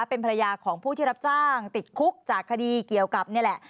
เป็นภรรยาของผู้ที่รับจ้างติดคุกจากคดีเกี่ยวกับนี่แหละ